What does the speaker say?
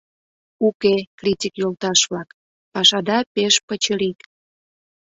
Уке, критик йолташ-влак, пашада пеш пычырик!